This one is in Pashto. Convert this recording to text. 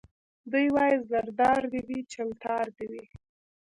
دی وايي زردار دي وي چلتار دي وي